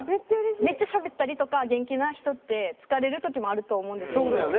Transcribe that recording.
めっちゃしゃべったりとか元気な人って疲れる時もあると思うんですね。